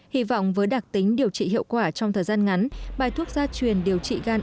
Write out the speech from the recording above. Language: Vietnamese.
hy vọng với đặc tính điều trị hiệu quả trong thời gian ngắn bài thuốc gia truyền điều trị gan